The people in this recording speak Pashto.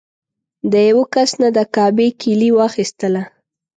د یوه کس نه د کعبې کیلي واخیستله.